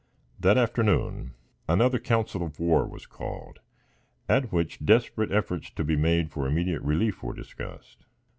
That afternoon another council of war was called, at which desperate efforts to be made for immediate relief were discussed.